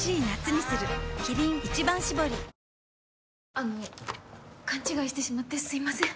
ああの勘違いしてしまってすいません。